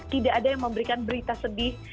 tidak ada yang memberikan berita sedih